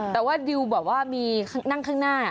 แต่ว่าดิวแบบว่ามีนั่งข้างหน้า